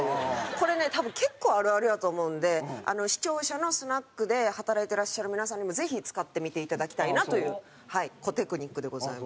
これね多分結構あるあるやと思うんで視聴者のスナックで働いてらっしゃる皆さんにもぜひ使ってみていただきたいなという小テクニックでございます。